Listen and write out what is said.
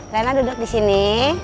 rena duduk disini